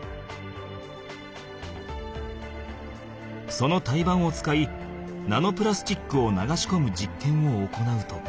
その胎盤を使いナノプラスチックを流しこむじっけんを行うと。